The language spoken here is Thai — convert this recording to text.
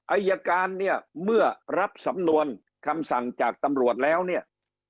อายการเนี่ยเมื่อรับสำนวนคำสั่งจากตำรวจแล้วเนี่ย